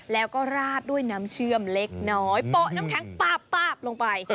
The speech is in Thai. แล้วก็ราดด้วยน้ำเชื่อมเล็กน้อยโป๊ะน้ำแข็งป๊าบลงไป